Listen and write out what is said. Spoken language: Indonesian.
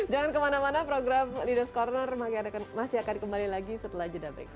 jangan kemana mana program leaders ⁇ corner masih akan kembali lagi setelah jeda berikut